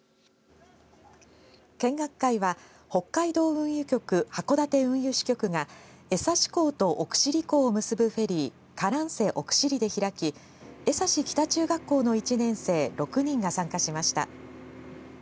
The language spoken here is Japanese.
見学会は北海道運輸局函館運輸支局が江差港と奥尻港を結ぶフェリーカランセ奥尻で開き江差北中学校の１年生６人が参加しました。